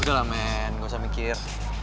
udah lah men gak usah mikir